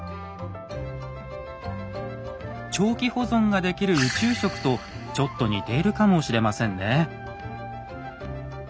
長期保存ができる宇宙食とちょっと似ているかもしれませんね。